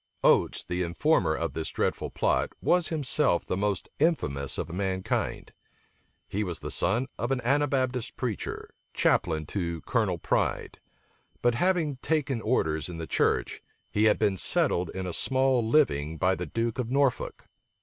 Oates, the informer of this dreadful plot, was himself the most infamous of mankind. He was the son of an Anabaptist preacher, chaplain to Colonel Pride; but having taken orders in the church, he had been settled in a small living by the duke of Norfolk.